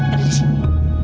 ada di sini